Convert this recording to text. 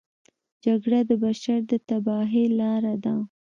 جګړه د بشر د تباهۍ لاره ده